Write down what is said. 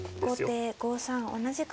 後手５三同じく金。